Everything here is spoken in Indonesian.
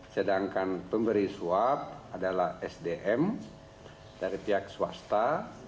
sedangkan pemberi suap adalah sdm dari pihak swasta